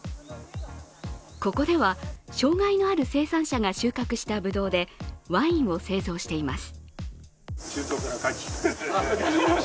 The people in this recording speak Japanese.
ここでは、障害のある生産者が収穫したぶどうでワインを製造しています。